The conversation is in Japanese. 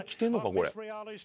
これ。